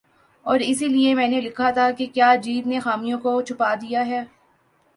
اور اسی لیے میں نے لکھا تھا کہ "کیا جیت نے خامیوں کو چھپا دیا ہے ۔